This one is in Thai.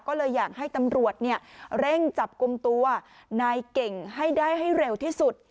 ก็เลยอยากให้ตำรวจเร่งจับกลุ่มตัวนายเก่งให้ได้ให้เร็วที่สุด